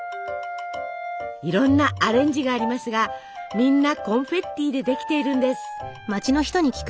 いろんなアレンジがありますがみんなコンフェッティでできているんです！